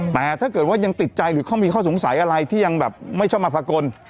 แต่ถ้าเกิดว่ายังติดใจหรือเขามีข้อสงสัยอะไรที่ยังแบบไม่ชอบมาพากล